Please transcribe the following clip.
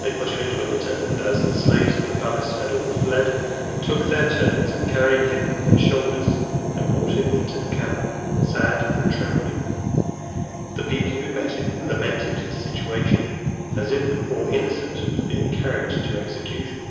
They put him into a litter, and as the slaves of the palace had all fled, took their turns in carrying him on their shoulders, and brought him into the camp, sad and trembling; the people who met him lamenting his situation, as if the poor innocent was being carried to execution.